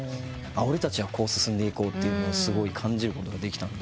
俺たちはこう進んでいこうっていうのがすごい感じることができたんで。